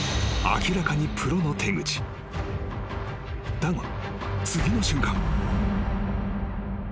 ［だが次の瞬間］